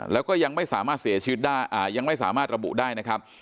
แล้วก็ยังไม่สามารถเสียชีวิตได้ยังไม่สามารถระบุได้นะครับ